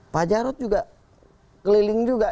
pak jarod juga keliling juga